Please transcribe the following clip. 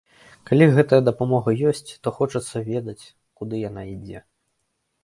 Калі гэтая дапамога ёсць, то хочацца ведаць, куды яна ідзе.